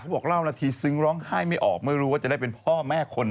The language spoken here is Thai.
บอกเล่านาทีซึ้งร้องไห้ไม่ออกไม่รู้ว่าจะได้เป็นพ่อแม่คน